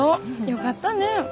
よかったね！